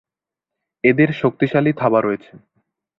এদের শক্তিশালী থাবা রয়েছে।